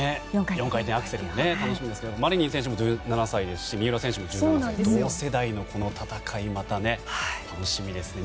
４回転アクセルも楽しみですけどマリニン選手も１７歳三浦選手も１７歳と同世代の戦いが楽しみですね。